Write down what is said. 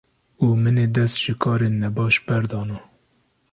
û min ê dest ji karên nebaş berdana.